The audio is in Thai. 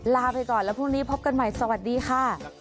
ลาไปก่อนแล้วพรุ่งนี้พบกันใหม่สวัสดีค่ะ